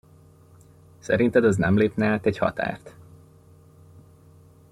Szerinted az nem lépne át egy határt?